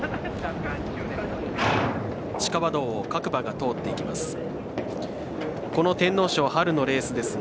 地下馬道を各馬が通っていきます。